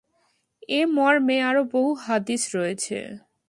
এ মর্মে আরো বহু হাদীস রয়েছে।